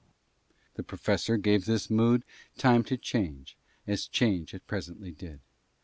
The Professor gave this mood time to change, as change it presently did.